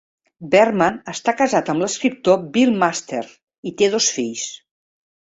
Berman està casat amb l'escriptor Bill Masters i té dos fills.